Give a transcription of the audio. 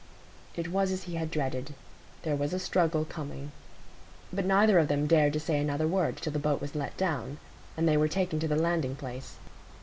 It was as he had dreaded—there was a struggle coming. But neither of them dared to say another word till the boat was let down, and they were taken to the landing place.